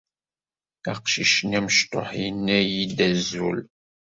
Aqcic-nni amecṭuḥ yenna-iyi-d azul.